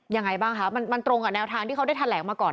ยังไงบ้างคะมันตรงกับแนวทางที่เขาได้แถลงมาก่อน